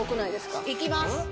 いきます